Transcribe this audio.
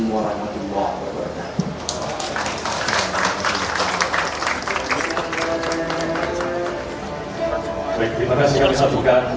wa rahmatullah wa barakatuh